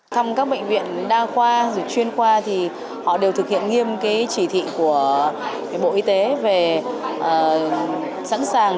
trong các bệnh viện đa khoa chuyên khoa thì họ đều thực hiện nghiêm cái chỉ thị của bộ y tế về sẵn sàng